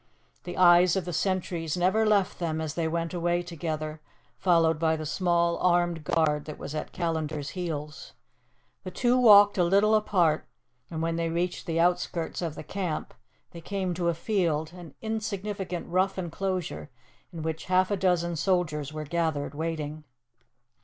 The eyes of the sentries never left them as they went away together, followed by the small armed guard that was at Callandar's heels. The two walked a little apart, and when they reached the outskirts of the camp they came to a field, an insignificant rough enclosure, in which half a dozen soldiers were gathered, waiting.